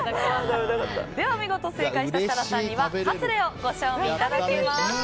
では、見事正解した設楽さんにはカスレをご賞味いただきます。